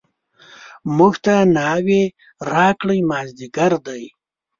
موږ ته ناوې راکړئ مازدیګر دی.